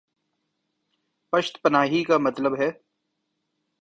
پشت پناہی کامطلب ہے۔